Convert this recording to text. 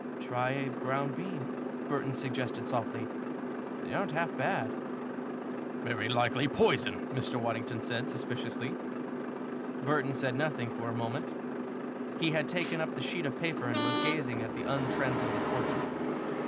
"Try a brown bean," Burton suggested softly. "They aren't half bad." "Very likely poison," Mr. Waddington said, suspiciously. Burton said nothing for a moment. He had taken up the sheet of paper and was gazing at the untranslated portion.